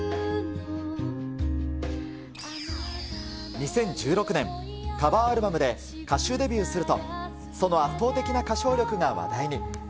２０１６年、カバーアルバムで歌手デビューすると、その圧倒的な歌唱力が話題に。